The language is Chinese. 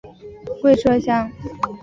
贡麝香。